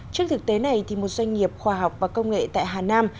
trước thực tế này một doanh nghiệp khoa học và công nghệ tại hà nam